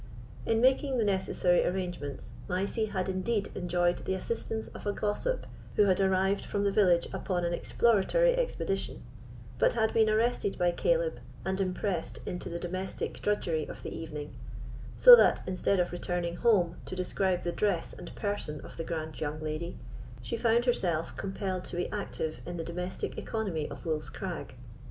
In making the necessary arrangements, Mysie had indeed enjoyed the assistance of a gossip who had arrived from the village upon an exploratory expedition, but had been arrested by Caleb, and impressed into the domestic drudgery of the evening; so that, instead of returning home to describe the dress and person of the grand young lady, she found herself compelled to be active in the domestic economy of Wolf's Crag.